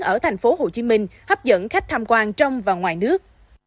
ở thành phố hồ chí minh hấp dẫn khách tham quan trong và ngoài nước